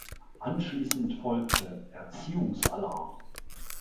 Anschließend folgte "Erziehungs-Alarm".